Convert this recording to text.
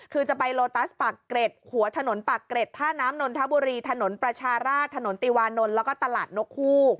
คือจะไปโลตัสปากเกร็ดหัวถนนปากเกร็ดท่าน้ำนนทบุรีถนนประชาราชถนนติวานนท์แล้วก็ตลาดนกฮูก